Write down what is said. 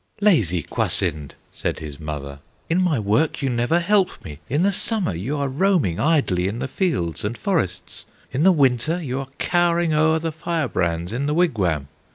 "Lazy Kwasind!" said his mother, "In my work you never help me! In the Summer you are roaming Idly in the fields and forests; In the Winter you are cowering O'er the firebrands in the wigwam!